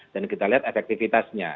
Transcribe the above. dan kita lihat efektivitasnya